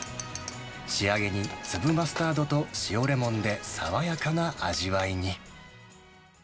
仕上げに、粒マスタードと塩レモンで爽やかな味わいに。